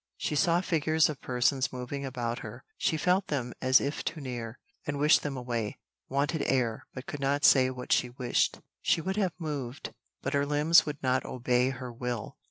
She saw figures of persons moving about her, she felt them as if too near, and wished them away; wanted air, but could not say what she wished. She would have moved, but her limbs would not obey her will.